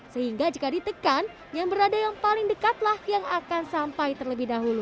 sehingga jika ditekan yang berada yang paling dekat lah yang akan sampai terlebih dahulu